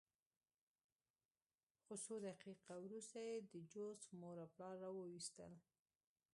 څو دقیقې وروسته یې د جوزف مور او پلار راوویستل